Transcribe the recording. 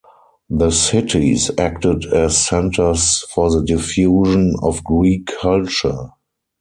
The cities acted as centers for the diffusion of Greek culture.